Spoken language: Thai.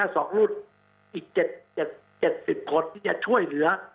ในหน้า๒รูปอีก๗๐คนที่จะช่วยเหลือ